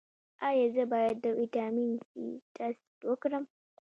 ایا زه باید د ویټامین سي ټسټ وکړم؟